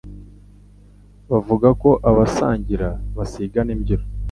bavuga ko Abasangira basigana imbyiro.